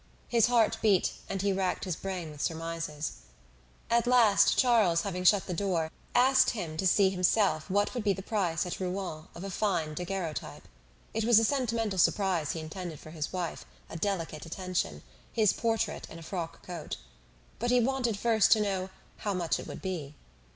His heart beat, and he racked his brain with surmises. At last, Charles, having shut the door, asked him to see himself what would be the price at Rouen of a fine daguerreotypes. It was a sentimental surprise he intended for his wife, a delicate attention his portrait in a frock coat. But he wanted first to know "how much it would be."